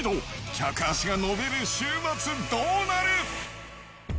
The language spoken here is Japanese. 客足が伸びる週末、どうなる？